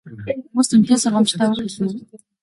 Хүмүүст үнэтэй сургамжтай үг хэлнэ үү?